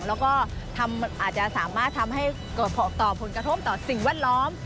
แล้วก็อาจจะสามารถทำให้เกิดต่อผลกระทบต่อสิ่งแวดล้อม